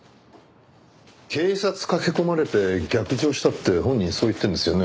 警察駆け込まれて逆上したって本人そう言ってるんですよね。